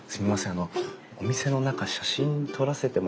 あのお店の中写真撮らせてもらってもいいですかね？